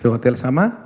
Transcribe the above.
di hotel sama